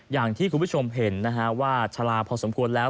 อย่างที่คุณผู้ชมเห็นนะฮะว่าชะลาพอสมควรแล้ว